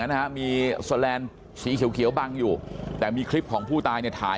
นะฮะมีสแลนด์สีเขียวเขียวบังอยู่แต่มีคลิปของผู้ตายเนี่ยถ่าย